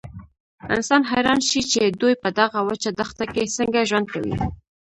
انسان حیران شي چې دوی په دغه وچه دښته کې څنګه ژوند کوي.